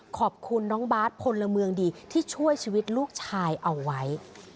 ขอบคุณน้องบาทพลเมืองดีที่ช่วยชีวิตลูกชายเอาไว้